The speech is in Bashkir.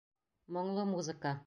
Моңло музыка.